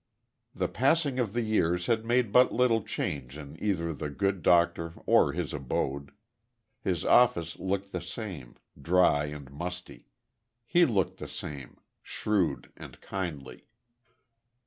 The passing of the years had made but little change in either the good doctor or his abode. His office looked the same dry and musty. He looked the same shrewd and kindly.